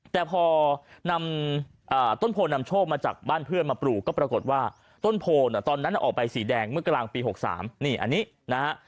แต่พอนำต้นโพนำโชคมาจากบ้านเพื่อนมาปลูกก็ปรากฏว่าต้นโพลตอนนั้นออกไปสีแดงเมื่อกลางปี๖๓นี่อันนี้นะฮะ